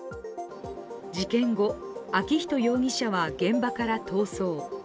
事件後、昭仁容疑者は現場から逃走。